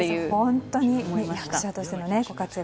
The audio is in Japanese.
本当に、役者としてのご活躍